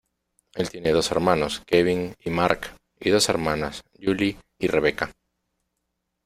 Él tiene dos hermanos, Kevin y Marc, y dos hermanas, Julie y Rebecca.